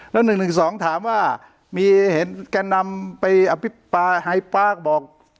แล้วหนึ่งหนึ่งสองถามว่ามีเห็นแกนำไปอภิปราหายปรากบอก